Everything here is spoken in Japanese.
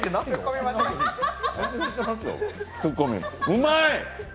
うまい！